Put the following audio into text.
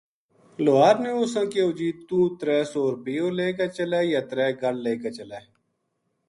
لوہار نے اُساں کہیو جی توہ ترے سو رُپیو لے کے چلے یا ترے گل لے کے چلے